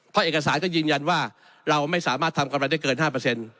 เพราะเอกสารก็ยืนยันว่าเราไม่สามารถทำกำไรได้เกิน๕